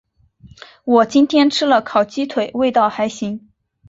我今天吃了烤鸡腿，味道还行。